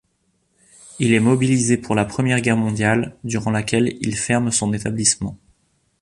Il est mobilisé pour la Première Guerre mondiale, durant laquelle il ferme son établissement.